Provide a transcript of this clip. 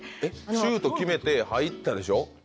シュート決めて入ったでしょ。